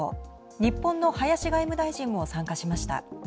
日本の林外務大臣も参加しました。